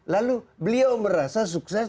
lalu beliau merasa sukses